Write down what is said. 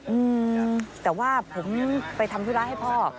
อืมแต่ว่าผมไปทำธุระให้พ่อ